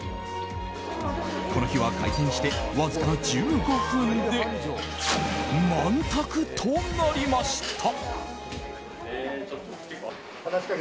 この日は開店してわずか１５分で満卓となりました。